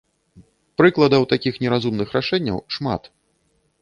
Прыкладаў такіх неразумных рашэнняў шмат.